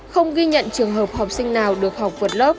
không ghi nhận trường hợp học sinh nào được học vượt lớp